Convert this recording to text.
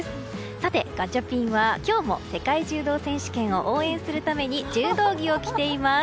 さて、ガチャピンは今日も世界柔道選手権を応援するために柔道着を着ています。